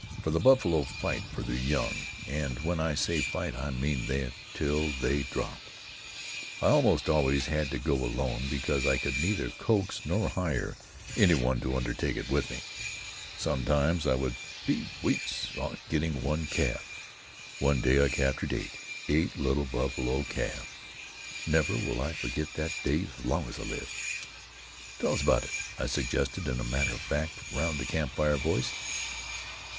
For the buffalo fight for their young, and when I say fight, I mean till they drop. I almost always had to go alone, because I could neither coax nor hire any one to undertake it with me. Sometimes I would be weeks getting one calf. One day I captured eight eight little buffalo calves! Never will I forget that day as long as I live!" "Tell us about it," I suggested, in a matter of fact, round the campfire voice.